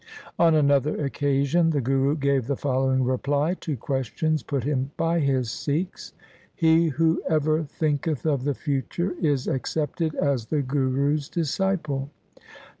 On another occasion the Guru gave the following reply to questions put him by his Sikhs :— He who ever thinketh of the future is accepted as the Guru's disciple.